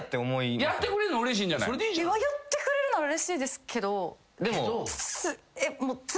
やってくれるのはうれしいですけど。